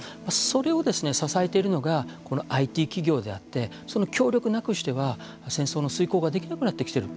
それをですね、支えているのがこのＩＴ企業であってその協力なくしては戦争の遂行ができなくなってきている。